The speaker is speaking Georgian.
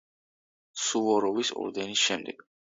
სუვოროვის ორდენის შემდეგ.